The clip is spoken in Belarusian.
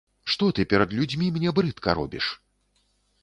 Што ты перад людзьмі мне брыдка робіш?